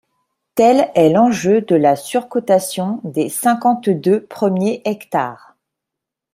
Tel est l’enjeu de la surcotation des cinquante-deux premiers hectares